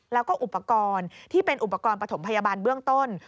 แล้วก็อุปกรณ์ที่เป็นอุปกรณ์ปฐมพยาบาลเบื้องต้น